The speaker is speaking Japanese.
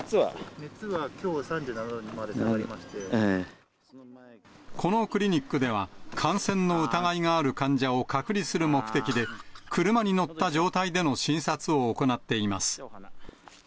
熱はきょうは３７度にまで下このクリニックでは、感染の疑いがある患者を隔離する目的で、車に乗った状態での診察を行っています。